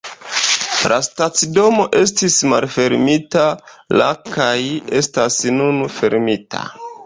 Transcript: La stacidomo estis malfermita la kaj estas nun fermita.